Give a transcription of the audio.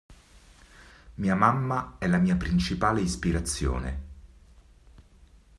Mia mamma è la mia principale ispirazione.